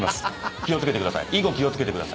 ⁉気を付けてください。